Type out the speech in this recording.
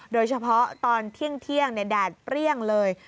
โดยเฉพาะตอนเที่ยงแดดเปรี้ยงเลย